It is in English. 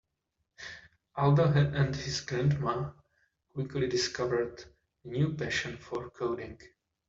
Aldo and his grandma quickly discovered a new passion for coding.